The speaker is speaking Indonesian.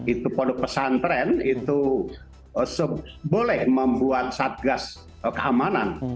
itu pondok pesantren itu boleh membuat satgas keamanan